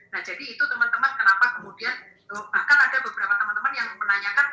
nah jadi itu teman teman kenapa kemudian bahkan ada beberapa teman teman yang menanyakan